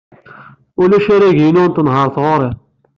Ulac arrag-inu n tenhaṛt ɣer-i.